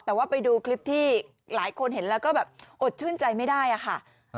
แต่ว่าไปดูคลิปที่หลายคนเห็นแล้วก็แบบอดชื่นใจไม่ได้ค่ะ